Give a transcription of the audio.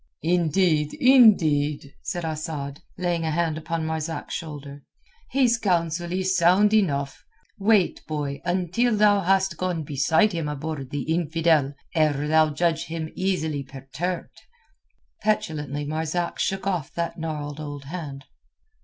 "Indeed, indeed," said Asad, laying a hand upon Marzak's shoulder, "his counsel is sound enough. Wait, boy, until thou hast gone beside him aboard the infidel, ere thou judge him easily perturbed." Petulantly Marzak shook off that gnarled old hand.